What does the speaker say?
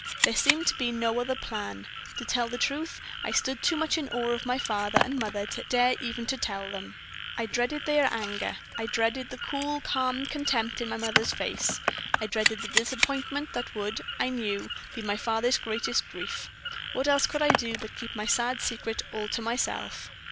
There seemed to me no other plan. To tell the truth, I stood too much in awe of my father and mother to dare even to tell them. I dreaded their anger. I dreaded the cool, calm contempt in my mother's face. I dreaded the disappointment that would, I knew, be my father's greatest grief. What else could I do but keep my sad secret all to myself?